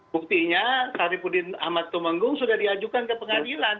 buktinya sarifudin ahmad tumenggung sudah diajukan ke pengadilan